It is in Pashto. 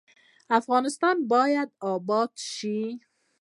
افغانستان باید اباد شي